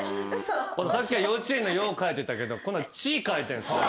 さっきは幼稚園の「幼」書いてたけど「稚」書いてる。